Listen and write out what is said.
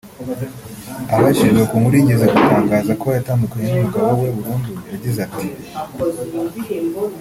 Abajijwe ku nkuru yigeze gutangaza ko yatandukanye n’umugabo we burundu yagize ati